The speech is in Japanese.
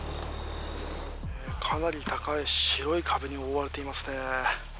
かなり高い白い壁に覆われていますね。